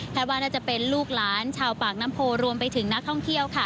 ว่าน่าจะเป็นลูกหลานชาวปากน้ำโพรวมไปถึงนักท่องเที่ยวค่ะ